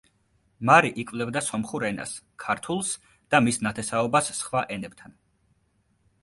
მარი იკვლევდა სომხურ ენას, ქართულს და მის ნათესაობას სხვა ენებთან.